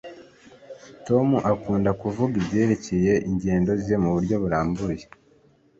Tom akunda kuvuga kubyerekeye ingendo ze muburyo burambuye